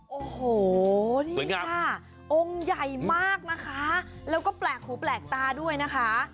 โอ้โหนี่ค่ะองค์ใหญ่มากนะคะแล้วก็แปลกหูแปลกตาด้วยนะคะ